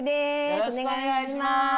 よろしくお願いします。